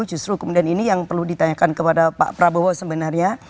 justru kemudian ini yang perlu ditanyakan kepada pak prabowo sebenarnya